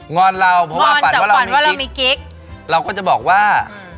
อนเราเพราะว่าฝันว่าเรามีกิ๊กเราก็จะบอกว่า